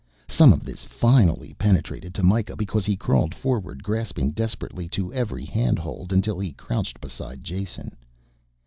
Some of this finally penetrated to Mikah because he crawled forward grasping desperately to every hand hold until he crouched beside Jason.